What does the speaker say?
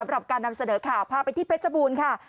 สำหรับการนำเสนอข่าวพาไปที่เพชรบูรณ์ค่ะ